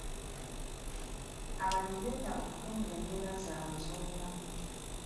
Abalimi beetaaga okutumbula embeera zaabwe ez'obulamu.